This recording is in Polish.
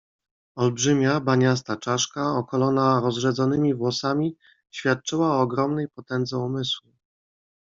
"Olbrzymia, baniasta czaszka, okolona rozrzedzonymi włosami, świadczyła o ogromnej potędze umysłu."